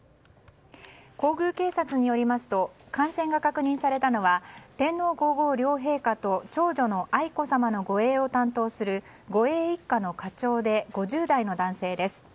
皇宮警察によりますと感染が確認されたのは天皇・皇后両陛下と長女の愛子さまの護衛を担当する護衛１課の課長で５０代の男性です。